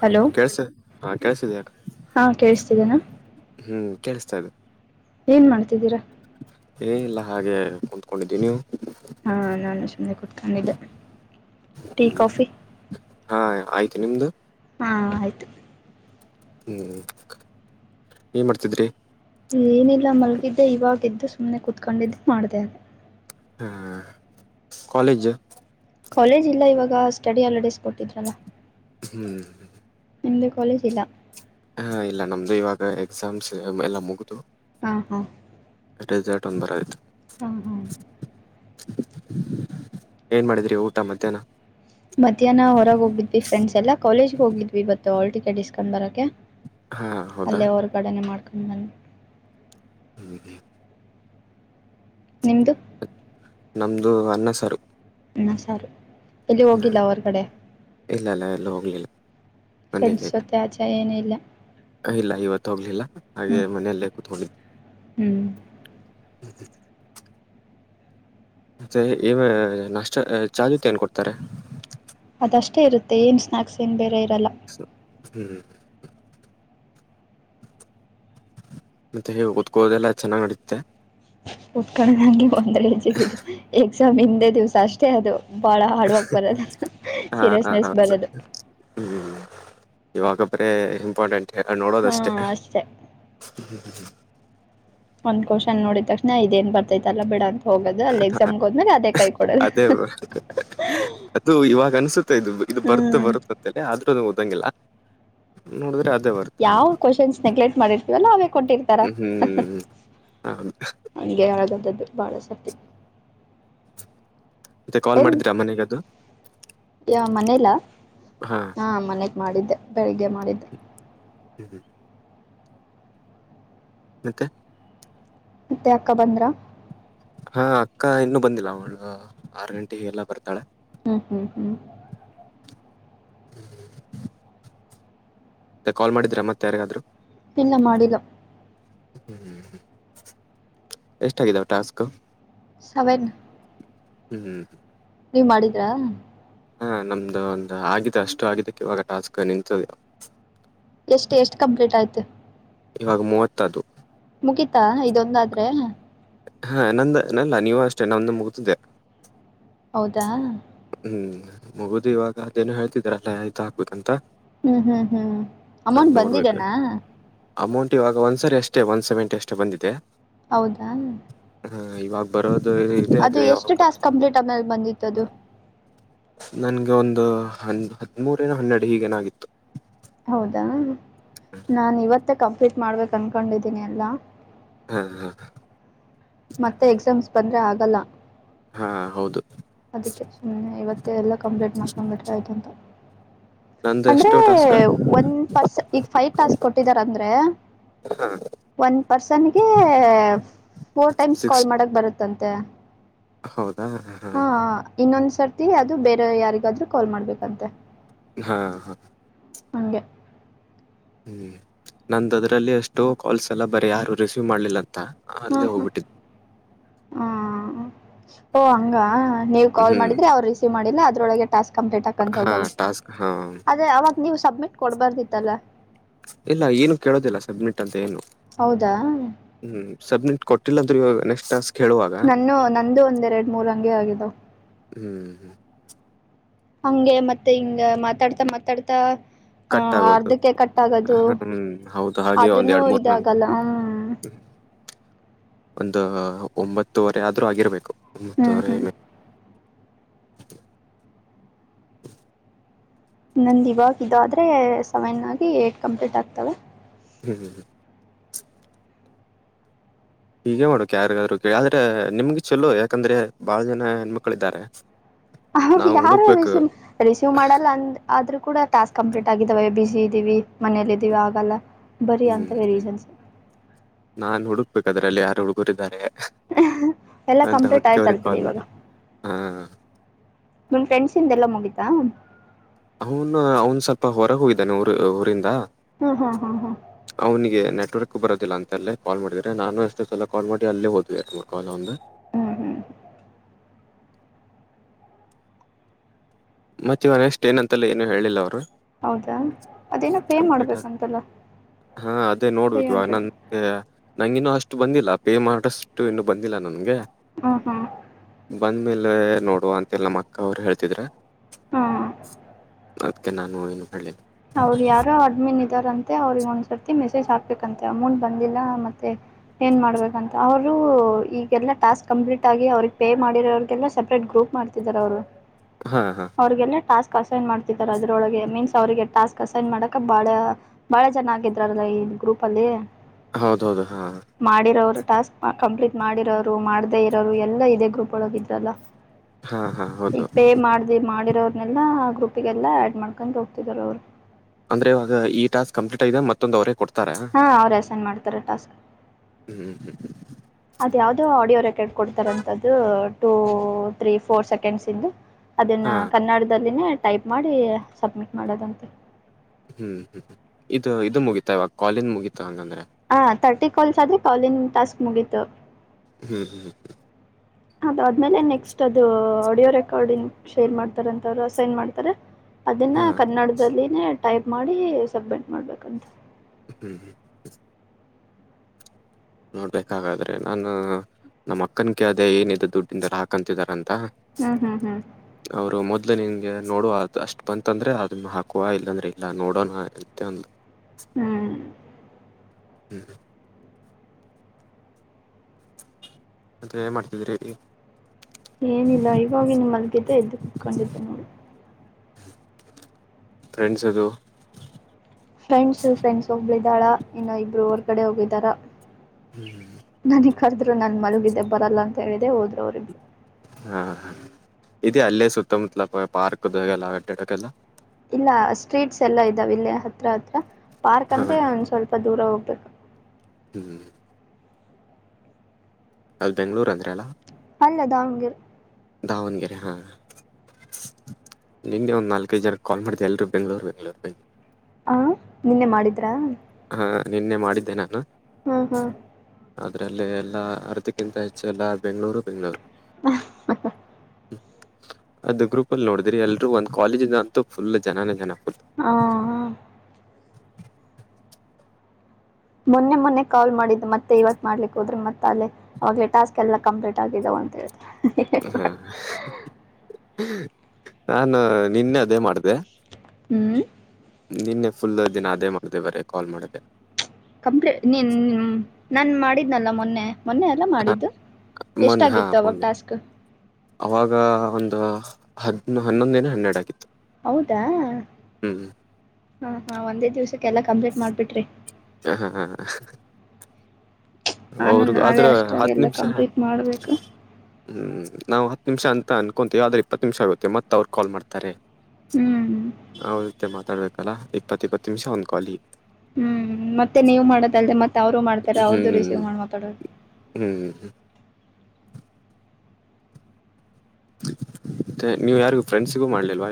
Hello ಕೆಳ್ಸ ಹಾ ಕೆಳ್ಸದ್ ಯಾ ಹಾ ಕೇಳಿಸ್ತಿದ್ದೇನಾ ಹ್ಮ್ ಕೇಳಸ್ತಾ ಇದೆ. ಏನ್ ಮಾಡ್ತಿದ್ದೀರಾ? ಏನಿಲ್ಲಮ್ ಹಾಗೆ ಕುತ್ಕೊಂಡಿದ್ದೀ ನೀವು? ಹಾ ನಾನು ಸುಮ್ನೆ ಕುೂತ್ಕೊಂಡಿದ್ದೆ. ಟೀ ಹ್ಮ್. ಕಾಫಿ? ಹಾ ಆಯ್ತು ನಿಮ್ದು? ಹಾ ಆಯ್ತು. ಹ್ಮ್ ಏನ್ ಮಾಡ್ತಿದ್ರಿ? ಏನಿಲ್ಲ ಮಲ್ಗಿದ್ದೆ ಇವಾಗ ಎದ್ದು ಸುಮ್ಮ್ನೆ ಕುೂತ್ಕೊಂಡಿದ್ದು ಮಾಡ್ದೆ ಅ ಹಾ ಕಾಲೇಜು? ಕಾಲೇಜ್ ಇಲ್ಲ ಇವಾಗ ಸ್ಟಡಿ ಹಾಲಿಡೇಸ್ ಕೊಟ್ಟಿದ್ರಲ್ಲ. ಹ್ಮ್ ನಿಮ್ದು ಕಾಲೇಜ್ ಇಲ್ಲ. ಹಾ ಇಲ್ಲ ನಮ್ದು ಇವಾಗ ಎಕ್ಸಾಮ್ಸ್ ಎಲ್ಲ ಮುಗಿದು. ಹಾ ಹಾ ರೆಸಾರ್ಟ್ ಅಂದರಾಯ್ತು. ಹಾ ಹಾ ಏನ್ ಮಾಡಿದ್ರಿ ಊಟ ಮಧ್ಯಾಹ್ನ. ಮಧ್ಯಾಹ್ನ ಹೊರಗೋಗಿದ್ವಿ ಫ್ರೆಂಡ್ಸ್ ಎಲ್ಲ, ಕಾಲೇಜ್ಗೆ ಹೋಗಿದ್ವಿವತ್ತು ಹಾಲ್ ಟಿಕೆಟ್ ಇಸ್ಕಂಬರಕ್ಕೆ. ಹಾ ಹೌದಾ ಅಲ್ಲೇ ಹೊರ್ಗಡೆನೆ ಮಾಡ್ಕೊಂಡ್ ಬಂದ್ವಿ. ಹ್ಮ ನಿಮ್ದು? ನಮ್ದು ಅನ್ನ ಸಾರು. ಅನ್ನ ಸಾರು ಎಲ್ಲಿ ಹ್ಮ್ ಹೋಗಿಲ್ಲ ಹೊರ್ಗಡೆ. ಇಲ್ಲ ಇಲ್ಲ ಎಲ್ಲೂ ಹೋಗ್ಲಿಲ್ಲ. ಫ್ರೆಂಡ್ಸ್ ಜೊತೆ ಆಚೆ ಏನೂ ಇಲ್ಲ. ಹ ಇಲ್ಲ ಇವತ್ತು ಹೋಗ್ಲಿಲ್ಲ ಹಾಗೆ ಹ್ಮ್ ಮನೆಯಲ್ಲೇ ಕುೂತ್ಕೊಂಡಿದು. ಹ್ಮ್ ಸರಿ ಇ ವ ನಷ್ಟ ಚಾಲೂಕ್ ಏನ್ ಕೊಡ್ತಾರೆ. ಅದಷ್ಟೇ ಇರುತ್ತೆ ಏನ್ ಸ್ನ್ಯಾಕ್ಸ್ ಏನ್ ಬೇರೆ ಇರಲ್ಲ. ಸ ಹ್ಮ್ ಮತ್ತೆ ಓದ್ಕೋದೆಲ್ಲ ಚೆನ್ನಾಗಿ ನಡೀತ್ತೆ. ಓತ್ಕಳ ನಂಗ [unintelligible] ಎಕ್ಸಾಮ್ ಹಿಂದೆ ದಿವ್ಸ ಅಷ್ಟೇ ಅದು. ಬಾಳ ಹಾರ್ಡ್ ವರ್ಕ್ ಬರದು ಹಾ ಹಾ ಹಾ ಸೀರಿಯಸ್ನೆಸ್ ಬರೋದು. ಹ್ಮ್ ಇವಾಗದ್ರೆ ಇಂಪಾರ್ಟೆಂಟ್ ಯಾಕಂದ್ರೆ ನೋಡೋದಷ್ಟೆ. ಹಾಂ ಅಷ್ಟೇ ಹ ಹಿ ಒಂದ್ ಕೊಶ್ನ್ ನೋಡಿದ್ ತಕ್ಷಣ ಇದೇ ಏನ್ ಬರ್ತೈತಲ್ಲ ಬಿಡ ಅಂತ ಹೋಗೋದು, ಅಲ್ಲಿ ಎಕ್ಸಾಮ್ಗ್ ಹೋದ್ಮೇಲೆ ಅದೇ ಕೈ ಕೊಡೋದು. ಅದೇ ಅದು ಇವಾಗ ಅನ್ಸುತ್ತೆ ಇದು ಇದು ಹ್ಞೂ ಬರುತ್ ಬರುತ್ತ ಅಂತ ಆದ್ರೂ ಅದ ಓದಂಗಿಲ್ಲ. ನೋಡಿದ್ರೆ ಅದೇ ಬರ್ತ. ಯಾವ ಆಮೇಲೆ ಕ್ವಶನ್ಸ್ ನೆಗ್ಲೆಕ್ಟ್ ಮಾಡಿರ್ತೀವಲ್ಲ ಅವೇ ಕೊಟ್ಟಿರ್ತಾರ. ಹ್ಮ್ ಹ ಹಂಗೆ ನಡ್ದುದ್ದದು ಬಾಳ ಸರ್ತಿ. ಮತ್ತೆ ಕಾಲ್ ಮಾಡಿದ್ರಾ ಮನೆಗ ಅದು. ಯ ಮನೇಲ ಹಾ ಮನೆಗ್ ಮಾಡಿದ್ದೆ ಬೆಳಿಗ್ಗೆ ಮಾಡಿದ್ದೆ. ಹ್ಮ್ ಹ್ಮ್ ಮತ್ತೆ ಮತ್ತೆ ಅಕ್ಕ ಬಂದ್ರ ಹಾ ಅಕ್ಕ ಇನ್ನುೂ ಬಂದಿಲ್ಲ ಅವಳ ಆರು ಗಂಟೆಗೆ ಎಲ್ಲ ಬರ್ತಾಳೆ ಹ್ಮ್ ಹ್ಮ್ ಹ್ಮ್ ಮ ಕಾಲ್ ಮಾಡಿದ್ರಾ ಮತ್ತೆ ಯಾರಿಗಾದ್ರು ಇನ್ನ ಮಾಡಿಲ್ಲ ಹ್ಮ್ ಎಷ್ಟಗಿದಾವ ಟಾಸ್ಕ್ ಸೆವನ್ ಹ್ಮ್ ಹ್ಮ್ ನೀವ್ ಮಾಡಿದ್ರಾ ಹಾ ನಮ್ದು ಒಂದು ಆಗಿದೆ ಅಷ್ಟು ಆಗಿದ್ದಕ್ಕೆ ಇವಾಗ ಟಾಸ್ಕ್ ನಿಂತದವ ಎಷ್ಟು ಎಷ್ಟು ಕಂಪ್ಲೀಟ್ ಆಯ್ತು ಇವಾಗ ಮೂವತ್ತದು ಮುಗಿತಾ ಇದೊಂದಾದ್ರೆ ಹಾ ನಂದ ನಲ್ಲ ನೀವು ಅಷ್ಟೇ ನಮಂದು ಮುಗತಿದ್ದ ಹೌದಾ ಹ್ಮ್ ಮುಗುದು ಇವಾಗ ಅದೇನು ಹೇಳ್ತಿದ್ರಲ್ಲ ಆಐ್ತ ಹಾಕ್ಬೇಕಂತ ಹ್ಮ್ ಹ್ಮ್ ಹ್ಮ್ ಅದ್ ಅಮೌಂಟ್ ನೋಡ್ಬೇಕು ಬಂದಿದ್ದನಾ ಅಮೌಂಟ್ ಇವಾಗ ಒಂದ್ಸರಿ ಅಷ್ಟೇ ಒನ್ ಸೆವೆಂಟಿ ಅಷ್ಟೇ ಬಂದಿದೆ ಹೌದಾ ಹಾ ಇವಾಗ ಬರೋದು ಇದೆ ಅದು ಯಾವಾಗ ಎಷ್ಟು ಬರುತ್ತೆ? ಟಾಸ್ಕ್ ಕಂಪ್ಲೀಟ್ ಆಮೇಲೆ ಬಂದಿತ್ತುದು ನನ್ಗೆ ಒಂದು ಹ ಹದಿಮೂರ ಏನೋ ಹನ್ನೆರಡು ಹೀಗೇನಾಗಿತ್ತು ಹೌದಾ ನಾನು ಇವತ್ತೇ ಕಂಪ್ಲೀಟ್ ಮಾಡ್ಬೇಕು ಅನ್ಕೊಂಡಿದ್ದೀನಿ ಎಲ್ಲ. ಹಾ ಹಾ ಮತ್ತೆ ಎಕ್ಸಾಮ್ಸ್ ಬಂದ್ರೆ ಆಗಲ್ಲ ಹಾ ಹೌದು ಅದಕ್ಕೆ ಸುಮ್ಮನೆ ಇವತ್ತೇ ಎಲ್ಲಾ ಕಂಪ್ಲೇಂಟ್ ಮಾಡ್ಕೊಂಡ್ಬಿಟ್ರ ಆಯ್ತಂತ ನಂದು ಅಂದ್ರೆ ಎಷ್ಟು ಟಾಸ್ಕ್ ಒಂದ ಪರ್ಸ ಈಗ ಫೈವ್ ಟಾಸ್ಕ್ ಕೊಟ್ಟಿದಾರ ಅಂದ್ರೆ ಹಾ ಒಂದ ಪರ್ಸನ್ಗೆ ಫೋರ್ ಟೈಮ್ಸ್ ಸಿಕ್ಸ್ ಕಾಲ್ ಮಾಡಕ್ ಬರುತ್ತಂತೆ ಹೌದಾ ಹಾ ಇನ್ನೊಂದ್ಸರ್ತಿ ಅದು ಬೇರೆ ಯಾರಿಗಾದರು ಕಾಲ್ ಮಾಡ್ಬೇಕಂತೆ ಹಾ ಹಾ ಹಂಗೆ ಹ್ಮ್ ನಂದು ಅದ್ರಲ್ಲಿ ಅಷ್ಟು ಕಾಲ್ಸ್ ಎಲ್ಲ ಬರೀ ಯಾರು ರಿಸೀವ್ ಮಾಡ್ಲಿಲ್ಲ ಅಂತ ಹ್ಮ ಅಲ್ಲೇ ಹೋಗ್ಬಿಟ್ಟಿತ್ತು ಹಾ ಹೋ ಹಂಗ ನೀ ಕಾಲ್ ಹ್ಮ್ ಮಾಡಿದ್ರೆ ಅವ್ ರಿಸೀವ್ ಮಾಡಿಲ್ಲ ಅದ್ರೊಳ ಟಾಸ್ಕ್ ಕಂಪ್ಲೀಟ್ ಹಾ ಹೋಗ ಟಾಸ್ಕ್ ಹಾ ನೀವು ಸಬ್ಮಿಟ್ ಕೊಡ್ಬಾರ್ದಿತ್ತಲ್ಲ ಇಲ್ಲ ಏನು ಕೇಳೋದಿಲ್ಲ ಸಬ್ಮಿಟ್ ಅಂತ ಏನು ಹೌದಾ ಹ್ಮ್ ಸಬ್ಮಿಟ್ ಕೊಟ್ಟಿಲ್ಲ ಅಂದ್ರರುವ ನೆಕ್ಸ್ಟ್ ಟಾಸ್ಕ್ ಹೇಳುವಾಗ ನನ್ನ ನಂದು ಒಂದೆರಡು ಮೂರು ಅಂಗಗೆ ಆಗಿದವು ಹ್ಮ್ ಹ್ಮ ಹಗೆ ಮತ್ತೆ ಹಿಂಗ ಮಾತಾಡ್ತಾ ಮಾತಾಡ್ತಾ ಹ ಕಟ್ ಆಗೋದು ಅರ್ಧಕ್ಕೆ ಕಟಆಗದು ಹ್ಮ್ ಹೌದು ಅದನ್ನು ಇದಾಗಲ್ಲ ಹ ಹ್ಮ್ ಒಂದು ಒಂಬತ್ತುವರೆ ಆದ್ರೂ ಆಗಿರ್ಬೇಕು ಹ್ಮ್ ಒಂಬತ್ತುವರೆ ಹ್ಮ್ ಮ. ನಂದು ಇವಾಗ ಇದ ಆದರೆ ಸೆವೆನ್ ಆಗಿ ಏಟ್ ಕಂಪ್ಲೀಟ್ ಆಗ್ತವೆ ಹ್ಮ್ ಹ್ ಹ್ ಹೀಗೆ ಮಾಡೋಕ ಯಾರಿಗಾದ್ರು ಕ ಆದ್ರೆ ನಿಮ್ಗೆ ಚಲೋ ಯಾಕಂದ್ರೆ ಬಹಳ ಜನ ಹೆಣ್ಮಕ್ಳ ಇದಾರೆ ಅವ್ರ ಯಾರು ರಿಸೀವ್ ರಿಸೀವ್ ಮಾಡಲ್ಲ ಅಂದ ಆದ್ರೂ ಕೂಡ ಟಾಸ್ಕ್ ಕಂಪ್ಲೀಟ್ ಆಗಿದ್ದಾವೆ ಬಿಸಿ ಇದ್ದೀವಿ ಮನೇಲ್ಲ ಇದೀವಿ ಆಗಲ್ಲ. ಬರೀ ಹ್ಮ್ ಅಂತವೇ ಹ್ಮ್ ರೀಸನ್ಸ್ ನಾನ್ ಹುಡುಕ್ಬೇಕದ್ರಲ್ಲಿ ಯಾರು ಹುಡುಗರಾರೆ ಎಲ್ಲ ಅಂತ ಕಂಪ್ಲೀಟ್ ಓಕೆ ಅವ್ರ ಆಯ್ತಲ್ಲ ಬಿಡಿ ಕಾಲ್ ಇವಾಗ ಮಾಡಿ ಹಾ ನಮ್ ಫ್ರೆಂಡ್ಸ ಇಂದ ಎಲ್ಲ ಮುಗಿತಾ ಅವನು ಅವನು ಸ್ವಲ್ಪ ಹೊರ ಹೂಗಿದ್ದಾನೆ ಊರು ಊರಿಂದ ಹಾ ಹಾ ಹಾ ಹಾ ಅವ್ನಿಗೆ ನೆಟ್ವರ್ಕ್ ಬರೋದಿಲ್ಲ ಅಂತ ಅಲ್ಲೇ ಕಾಲ್ ಮಾಡಿದ್ರೆ ನಾನು ಎಷ್ಟೋ ಸಲ ಕಾಲ್ ಮಾಡಿ ಅಲ್ಲೇೋದ್ವಿ ಕಾಲ್ ಅವಂದು ಹ್ಮ್ ಹ್ಮ್ ಮತ್ತೆ ಇವ ನ ಎಸ್ಟ್ ಏನಂತ ಏನು ಹೇಳಿಲ್ಲ ಅವ್ರು ಹೌದಾ ಅದೇನೋ ಪೇ ಮಾಡಬೇಕಂತಲ್ಲ ತ್ರೀ ಹಂಡ್ರೆಡ್ ಅ ನಂಗಿನ್ನುೂ ಅಷ್ಟು ಬಂದಿಲ್ಲ ಪೇ ಮಾಡಷ್ಟು ಇನ್ನು ಬಂದಿಲ್ಲ ನನ್ಗೆ ಹ ಹಾ ಬಂದ ಮೇಲೆ ನೋಡು ಅಂತೇಳಿ ನಮ್ಮ ಅಕ್ಕ ಅವರು ಹೇಳ್ತಿದ್ರೆ ಹಾ ಅದಕ್ಕೆ ನಾನು ಏನು ಹೊಳ್ಳಿಲ್ಲ ಅವ್ರು ಯಾರೋ ಅಡ್ಮಿನ್ ಇದ್ದಾರಂತೆ ಅವ್ರಿಗೆ ಒಂದ್ಸರ್ತಿ ಮೆಸೇಜ್ ಹಾಕ್ಬೇಕಂತೆ ಅಮೌಂಟ್ ಬಂದಿಲ್ಲ ಮತ್ತೆ ಏನ್ ಮಾಡ್ಬೇಕಂತ ಅವರು ಈಗೆಲ್ಲಾ ಟಾಸ್ಕ್ ಕಂಪ್ಲೀಟ್ ಆಗಿ ಅವ್ರಿಗೆ ಪೇ ಮಾಡಿರೋರಿಗೆಲ್ಲ ಸಪ್ರೇಟ್ ಗ್ರೂಪ್ ಮಾಡ್ತಾರೆ ಇದ್ದಿದ್ದಾರಾ ಅವರು ಹಾ ಹಾಂ ಅವ್ರರಿಗೆೇ ಟಾಸ್ಕ್ಸೈನ್ ಮಾಡ್ತಾರ ಅದ್ರೊಳಗೆ ಮೀನ್ಸ್ ಅವ್ರರಿಗೆ ಟಾಸ್ಕ್ ಅಸೈನ್ ಮಾಡಕ ಬಾಳ ಬಾಳ ಜನಾಗಿದ್ರಲ್ಲ ಈ ಗ್ರೂಪ್ ಅಲ್ಲಿ ಹೌದ ಹೌದು ಹಾಂ ಮಾಡಿರೋರು ಟಾಸ್ಕ್ ಕಂಪ್ಲೀಟ್ ಮಾಡಿರೋರು ಮಾಡ್ದೇ ಇರೋರು ಎಲ್ಲ ಇದೆ ಗ್ರೂಪ್ ಒಳಗ ಇದ್ರಲ್ಲ ಹಾ ಹಾ ಈಗ ಹೌದು ಪೇ ಮಾಡ್ದಿ ಮಾಡಿರೋರನೆೆಲ್ಲ ಆ ಗ್ರೂಪಿಗೆಲ್ಲಾ ಆಡ್ ಮಾಡ್ಕೊಂಡು ಹೋಗ್ತಿದಾರ ಅವ್ರರು ಅಂದ್ರೆ ಇಗ ಈ ಟಾಸ್ಕ್ ಕಂಪ್ಲೀಟ್ ಐದೆ ಮತ್ತೊಂದ್ ಅವರೇ ಕೊಡ್ತಾರೆ ಹ ಅವರುಸೈನ್ ಮಾಡ್ತಾರೆ ಟಾಸ್ಕ್ ಹ್ಮ್ ಹ್ಮ್ ಅದ ಯಾವುದೋ ಆಡಿಯೋ ರೆಕಾರ್ಡ್ ಕೊಡ್ತಾರಂತದ್ದು ಟೂ ತ್ರೀ ಫೋರ್ ಸೆಕೆಂಡ್ಸ ಇಂದು ಅದನ್ನ ಹಾ ಕನ್ನಡದಲ್ಲಿನೇ ಟೈಪ್ ಮಾಡಿ ಸಬ್ಮಿಟ್ ಮಾಡೋದಂತೆ ಹ್ಮ್ ಹ್ಮ್ ಇದು ಇದು ಮುಗೀತಾ ಇವಾಗ ಕಾಲಿಂದ ಮುಗಿತ ಹಂಗಂದ್ರೆ ಹ ತರ್ಟಿ ಕಾಲ್ಸ್ ಆದ್ರೆ ಕಾಲಿಂಗ್ ಟಾಸ್ಕ್ ಮುಗೀತು ಹ್ಮ್ ಹ್ಮ ಅದುಾದ ಆದ್ಮೇಲೆ ನೆಕ್ಸ್ಟ್ ಅದು ಆಡಿಯೋ ರೆಕಾರ್ಡಿಂಗ್ ಶೇರ್ ಮಾಡ್ತಾರೆ ಅಂತ ಅವ್ರು ಅಸೈನ್ ಮಾಡ್ತಾರೆ ಅದನ್ನ ಹಾ ಕನ್ನಡದಲ್ಲಿನೇ ಟೈಪ್ ಮಾಡಿ ಸಬ್ಮಿಟ್ ಮಾಡ್ಬೇಕಂತ ಹ್ಮ್ ಹ್ಮ್ ನೋಡ್ಬೇಕಾದ್ರೆ ನಾನು ನಮ್ಮ ಅಕ್ಕನ್ ಕ ಅದೇ ಏನಿದೆ ದುಡ್ಡಿಂದ ಹಾಕಂತಿದಾರಂತ ಹ್ಮ್ ಹ್ಮ್ ಹ್ಮ್ ಅವರು ಮೊದ್ಲು ನಿಂಗೆ ನೋಡುವ ಅಷ್ಟ್ ಬಂತಂದ್ರೆ ಅದನ್ನ ಹಾಕುವ ಇಲ್ಲಾಂದ್ರೆ ಇಲ್ಲ ನೋಡೋಣ ಅತ್ಯಂದು ಹ್ಮ್ ಹ್ಞ ಹ ಅದೆ ಏನ್ ಮಾಡ್ತಿದ್ರಿ ಈಗ. ಏನಿಲ್ಲ ಇವಾಗಿನ್ ಮಲ್ಗಿದ್ದೆ ಎದ್ದು ಕುತ್ಕೊಂಡಿದ್ದೆ ನೋಡಿ ಫ್ರೆಂಡ್ಸ್ ಅದು ಫ್ರೆಂಡ್ಸ್ ಫ್ರೆಂಡ್ಸ್ ಹೋಗ್ಬಳಿದ್ದಾಳ ಇನ್ನು ಇಬ್ಬರು ಹೊರ್ಗಡೆ ಹೋಗಿದಾರಾ. ಹ್ಮ್ ನನಗ್ ಕರ್ದ್ರು ನನ್ ಮಲಗಿದ್ದೆ ಬರಲ್ಲ ಅಂತ ಹೇಳಿದೆ ಹೋದ್ರು ಅವ್ರಿಬ್ರು ಹಾ ಇದೇ ಅಲ್ಲೇ ಸುತ್ತಮುತ್ತಲ ಪಾರ್ಕ್ದಲ್ಲ ಆಡಕೆಲ್ಲ ಇಲ್ಲ ಸ್ಟ್ರೀಟ್ಸ್ ಎಲ್ಲ ಇದ್ದಾವಲ್ಲಿ ಹತ್ರ ಹತ್ರ ಪಾರ್ಕ್ ಹಾ ಅಂತೆ ಒಂದ ಸ್ವಲ್ಪ ದೂರ ಹೋಗ್ಬೇಕು. ಹ್ಮ್ ಅಲ್ಲಿ ದೆಂಗ್ಳೂರು ಅಂದ್ರ ಅಲ್ಲ ಅಲ್ಲ ದಾವಣಗೆರೆ ದಾವಣಗೆರೆ ಹಾಂ ನಿಂಗೆ ಒಂದ್ ನಾಲ್ಕೈದು ಜನ ಕಾಲ್ ಮಾಡಿದೆ ಎಲ್ರರು ಬೆಂಗ್ಳೂರ್ ಬೆಂಗ್ಗಳೂರ್. ಅಂ ನಿನ್ನೆ ಮಾಡಿದ್ರಾ ಹಾ ನಿನ್ನೆ ಮಾಡಿದ್ದೆ ನಾನು ಹಾ ಹಾ ಅದ್ರಲ್ಲಿ ಎಲ್ಲಾ ಅರ್ದಕ್ಕಿಂತ ಹೆಚ್ಚು ಎಲ್ಲ ಬೆಂಗ್ಗಳೂರು ಬೆಂಗ್ಗಳೂರು. [unintelligible] ಅದು ಗ್ರೂಪ್ ಅಲ್ಲಿ ನೋಡಿದ್ರಿ ಎಲ್ರೂ ಒಂದ್ ಕಾಲೇಜ್ ಯಿಂದ ಅಂತೂ ಫುಲ್ ಜನಾನೆ ಜನ ಹಾಂ ಮೊನ್ನೆ ಮೊನ್ನೆ ಕಾಲ್ ಮಾಡಿದ್ದು ಮತ್ತೆ ಇವತ್ ಮಾಡ್ಲಿಕ್ ಹೋದ್ರಿ ಮತ್ತೆ ಅಲ್ಲೆ [unintelligible] ಟಾಸ್ಕ್ ಎಲ್ಲ ಕಂಪ್ಲೀಟ್ ಆಗಿದ್ದಾವ ಅಂತ ಹೇಳ್ ಹಾ ನಾನು ನಿನ್ನೆ ಅದೇ ಮಾಡಿದೆ ಹ್ಮ್ ನಿನ್ನೆ ಫುಲ್ ದಿನ ಅದೇ ಮಾಡಿದೆ ಬರೀ ಕಾಲ್ ಮಾಡ್ದೆ ಕಂಪ್ಲೇಟ್ ನೀನ್ ನಾನ್ ಮಾಡಿದ್ನಲ್ಲ ಮೊನ್ನೆ ಮೊನ್ನೆ ಅಲ್ಲ ಮಾಡಿದ್ದು ಮೊನ್ನೆ ಹಾ ಎಷ್ಟಾಗಿತ್ತು ಅವಾಗ ಮೊನ್ನೆ ಟಾಸ್ಕ್. ಅವಾಗ ಒಂದು ಹದ್ ಹನ್ನೊಂದಿನ ಹನ್ನೆರಡು ಆಗಿತ್ತು ಹೌದಾ ಹ್ಮ್ ಹಾ ಹಾ ಒಂದೇ ದಿವ್ಸಕ್ಕೆಲ್ಲ ಕಂಪ್ಲೀಟ್ ಮಾಡ್ಬಿಟ್ರಿ. ಹಾ ಹಾ ಹಾ ನಾನು ಅವ್ರು ನಾಳೆ ಆದ್ರ ಅಷ್ಟ್ರಾಗ ಹತ್ ಎಲ್ಲ ನಿಮಿಷ ಕಂಪ್ಲೀಟ್ ಮಾಡ್ಬೇಕು ಹ್ಮ್ ನಾವು ಹತ್ತು ನಿಮಿಷ ಅಂತ ಅನ್ಕೊಂತೀವಿ ಆದ್ರೆ ಇಪ್ಪತ್ತು ನಿಮಿಷ ಆಗುತ್ತೆ ಮತ್ತ ಅವರು ಕಾಲ್ ಮಾಡ್ತಾರೆ ಹ್ಮ್ [unintelligible] ಮಾತಾಡ್ಬೇಕಲ್ಲ ಇಪ್ಪತ್ತು ಇಪ್ಪತ್ತು ನಿಮಿಷ ಒಂದು ಕಾಲಿ ಹ್ಮ್ ಮತ್ತೆ ನೀವು ಮಾಡೋದಲ್ದ ಮತ್ತ ಅವ್ರು ಮಾಡ್ತಾರೆ ಅವ್ರ್ದು ರಿಸೀವ್ ಮಾಡತಾಡೋದು. ಹ್ಮ್ ಹ್ಮ್ ಮತ್ತೆ ನೀವು ಯಾರಿಗೂ ಫ್ರೆಂಡ್ಸಿಗೂ ಮಾಡ್ಲಿಲ್ವಾ.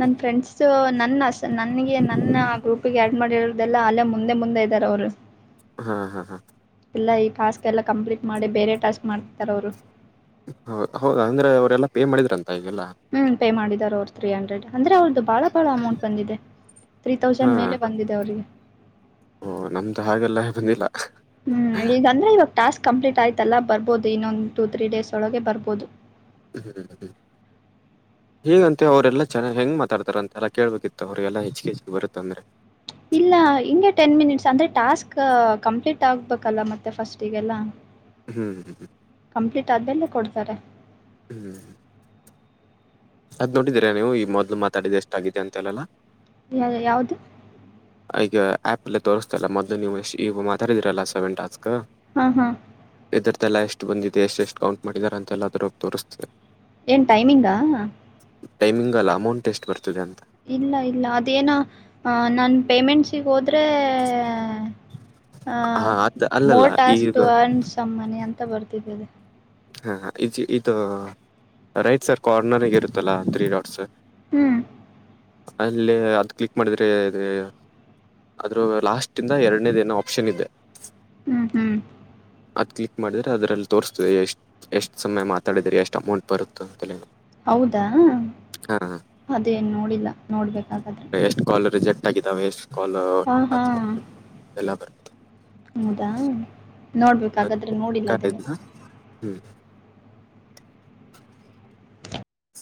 ನನ್ ಫ್ರೆಂಡ್ಸ್ ನನ್ನ ನನಗೆ ನನ್ನ ಗ್ರೂಪ್ಗೆ ಆಡ್ ಮಾಡಿರದೆಲ್ಲ ಅಲ್ಲೇ ಮುಂದೆ ಮುಂದೆ ಇದ್ದಾರೆ ಅವ್ರು ಹಾ ಹಾ ಹಾ ಇಲ್ಲ ಈ ಟಾಸ್ಕ್ ಎಲ್ಲ ಕಂಪ್ಲೀಟ್ ಮಾಡಿ ಬೇರೆ ಟಾಸ್ಕ್ ಮಾಡ್ತಿತಾರ್ ಅವ್ರು ಹೌ ಹೌದ ಅಂದ್ರೆ ಅವರೆಲ್ಲಾ ಪೇ ಮಾಡಿದ್ರ ಅಂತ ಈಗೆಲ್ಲ ಹ್ಮ್ ಪೇ ಮಾಡಿದ್ದಾರೆ ಅವರು ತ್ರೀ ಹಂಡ್ರೆಡ್ ಅಂದ್ರೆ ಅವ್ರದು. ಭಾಳ ಭಾಳ ಅಮೌಂಟ್ ಬಂದಿದೆ ತ್ರೀ ಹಾ ತೌಸಂಡ್ ಮೇಲೆ ಬಂದಿದೆ ಅವರಿಗೆ. ಓ ನಮ್ದು ಹಾಗೆಲ್ಲ [unintelligible] ಹ್ಮ್ ಈಗ ಅಂದ್ರೆ ಇವಾಗ ಟಾಕ್ ಕಂಪ್ಲೀಟ್ ಆಯತಲ್ಲ ಬರ್ಬಹದು ಇನ್ನೊಂದಂದು ಟೂ ತ್ರೀ ಡೇಸ್ ಒಳಗೆ ಬರ್ಬೋದು. ಹ್ಮ್ ಹ್ಮ್ ಹ್ಮ್ ಹೀಗಂತೆ ಅವ್ರೆಲ್ಲ ಚನ್ನಗ್ ಹೆಂಗ ಮಾತಡ್ತಾರಂತೆಲ್ಲ ಕೇಳ್ಬೇಕಿತ್ತು ಅವ್ರಿಗೆಲ್ಲ ಹೆಚ್ಚಿಗೆ ಹೆಚ್ಚಿಗೆ ಬರುತಂದ್ರೆ ಇಲ್ಲ ಹಿಂಗೆ ಟೆನ್ ಮಿನಿಟ್ಸ್ ಅಂದ್ರೆ ಟಾಸ್ಕ್ ಕಂಪ್ಲೀಟ್ ಆಗ್ಬೇಕಲ್ಲ ಮತ್ತೆ ಫಸ್ಟಿಗೆಲ್ಲ. ಹ್ಮ್ [unintelligible] ಕಂಪ್ಲೀಟ್ ಆದ್ಮಲ್ಲೇ ಕೊಡ್ತಾರೆ. ಹ್ಮ್ ಅದ್ ನೋಡಿದೀರಾ ನೀವು ಈ ಮೊದ್ಲು ಮಾತಾಡಿದ ಎಷ್ಟ ಆಗಿದೆ ಅಂತ ಎಲ್ಲ ಯ ಯಾವುದು ಈಗ ಆಪ್ ನಲ್ಲಿ ತೋರ್ಸ್ತಾಲ್ಲ ಮೊದ್ ನೀವು ಈ ಮಾತಾಡಿದೀರಲ್ಲ ಸೆವೆನ್ ಟಾಸ್ಕ್. ಹ್ಮ್ ಹ್ಮ್ ಇದ್ರದೇಲ್ಲ ಎಷ್ಟು ಬಂದಿದೆ ಎಷ್ಟು ಎಷ್ಟು ಕೌಂಟ್ ಮಾಡಿದ್ದಾರೆ ಅಂತೆ ಎಲ್ಲದ್ರು ತೋರಿ [unintelligible] ಏನ್ ಟೈಮಿಂಗಾ ಟೈಮಿಂಗ್ ಅಲ್ಲ ಅಮೌಂಟ್ ಎಷ್ಟು ಬರ್ತದೆ ಅಂತ ಇಲ್ಲ ಇಲ್ಲ ಅದೇನ ನಾನ್ ಪೇಮೆಂಟ್ [unintelligible] ಹೋದ್ರೆ ಅ ಹಾ ಅದ್ ಅಲ್ಲಲ್ಲ ಮೋರ್ ಟಾಸ್ಕ್ ಈಗ ಟು ಅರ್ನ್ಸ್ ತಮ್ಮನೆ ಅಂತ ಬರ್ತಿದೆ ಅದು ಹಾ ಈ ಇದು ರೈಟ್ ಸರ್ ಕಾರ್ನರ್ಗೆ ಇರುತ್ತಲ್ಲಾ ತ್ರೀ ಡಾಟ್ಸ್ ಹ್ಮ್ ಅಲ್ಲೇ ಅದು ಕ್ಲಿಕ್ ಮಾಡಿದ್ರೆ [unintelligible] [unintelligible] ಆದ್ರೂ ಲಾಸ್ಟ್ ಇಂದ ಎರಡನೇದ ಏನೋ ಆಪ್ಷನ್ ಇದೆ ಹ್ಮ್ ಹ್ಮ್ ಅದು ಕ್ಲಿಕ್ ಮಾಡಿದ್ರೆ ಅದ್ರಲ್ಲಿ ತೋರಿಸ್ತದೆ ಎಷ್ಟು ಎಷ್ಟು ಸಮಯ ಮಾತಾಡಿದರಿ ಎಷ್ಟು ಅಮೌಂಟ್ ಬರುತ್ತ ಅಂತ ಹೇಳಿ ಹೌದಾ ಅದೇನ್ ನೋಡಿಲ್ಲ ನೋಡ್ಬೇಕಾಗಾದ್ರೆ ಎಷ್ಟ್ ಕಾಲ್ ರಿಜೆಕ್ಟ್ ಆಗಿದಾವೆ ಎಷ್ಟ್ ಕಾಲ್ ಹಾಂ ಹಾಂ ಅಕ್ಸೆಪ್ಟ ಎಲ್ಲ ಹೌದಾ ನೋಡ್ಬೇಕಾಗಾದ್ರೆ ನೋಡಿಲ್ಲ ಅದನ್ನು [unintelligible] [unintelligible] ಹ್ಮ್